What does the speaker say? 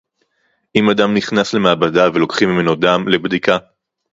אם אדם נכנס למעבדה ולוקחים ממנו דם לבדיקה